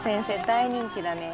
大人気だね